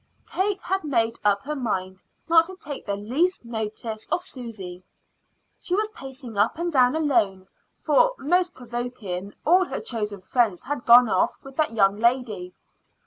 Kate had made up her mind not to take the least notice of Susy. She was pacing up and down alone; for, most provoking, all her chosen friends had gone off with that young lady.